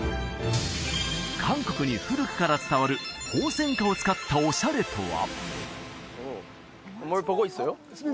韓国に古くから伝わるホウセンカを使ったオシャレとは？